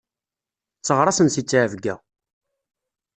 Tteɣraṣen si ttɛebga.